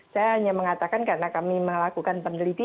saya hanya mengatakan karena kami melakukan penelitian